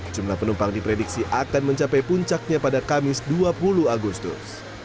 jumlah penumpang diprediksi akan mencapai puncaknya pada kamis dua puluh agustus